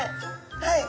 はい。